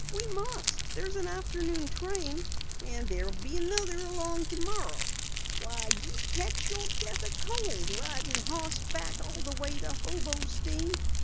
"We must. There's an afternoon train " "And there'll be another along tomorrow. Why, you'd catch your death o' cold ridin' hoss back all the way to Hobostein."